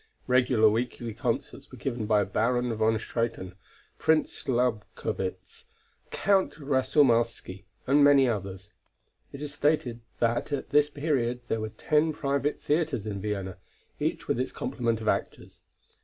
Regular weekly concerts were given by Baron von Swieten, Prince Lobkowitz, Count Rasoumowsky and many others. It is stated that at this period there were ten private theatres in Vienna, each with its complement of actors.